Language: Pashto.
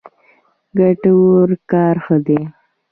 ګټور کار ښه دی.